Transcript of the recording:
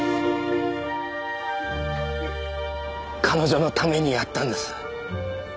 彼女のためにやったんです。